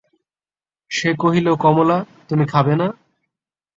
সে কহিল, কমলা, তুমি খাবে না?